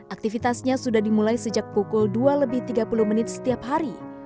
aktivitasnya sudah dimulai sejak pukul dua lebih tiga puluh menit setiap hari